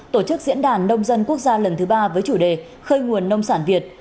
tổ chức diễn đàn nông dân quốc gia lần thứ ba với chủ đề khơi nguồn nông sản việt